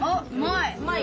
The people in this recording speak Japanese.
うまい？